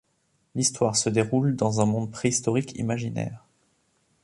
L'histoire se déroule dans un monde préhistorique imaginaire.